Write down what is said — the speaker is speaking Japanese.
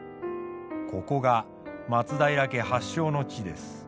ここが松平家発祥の地です。